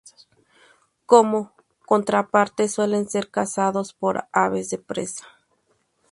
Como contraparte, suelen ser cazados por aves de presa.